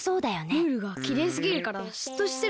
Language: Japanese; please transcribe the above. ムールがきれいすぎるからしっとしてるんじゃない？